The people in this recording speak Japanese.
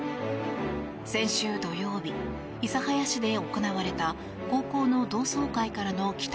先週土曜日、諫早市で行われた高校の同窓会からの帰宅